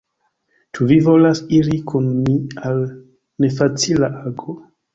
Ĉu vi volas iri kun mi al nefacila ago?